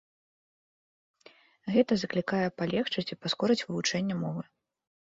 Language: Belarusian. Гэта заклікае палегчыць і паскорыць вывучэнне мовы.